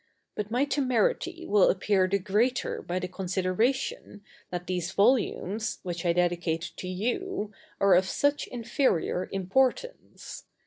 But my temerity will appear the greater by the consideration, that these volumes, which I dedicate to you, are of such inferior importance.